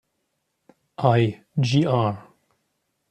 I, Gr.